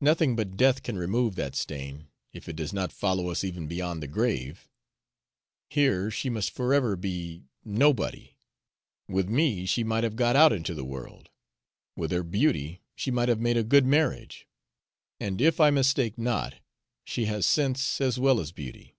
Nothing but death can remove that stain, if it does not follow us even beyond the grave. Here she must forever be nobody! With me she might have got out into the world; with her beauty she might have made a good marriage; and, if I mistake not, she has sense as well as beauty."